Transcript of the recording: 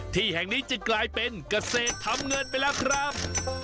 ที่แห่งนี้จึงกลายเป็นเกษตรทำเงินไปแล้วครับ